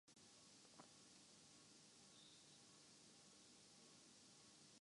جس کی وجہ سے ان کو بچوں میں زیادہ مقبولیت حاصل ہوئی